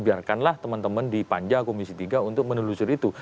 biarkanlah teman teman di panja komisi tiga untuk menelusuri itu